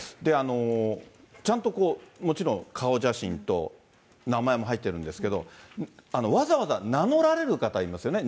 ちゃんとこう、もちろん顔写真と、名前も入ってるんですけど、わざわざ名乗られる方、いますよね、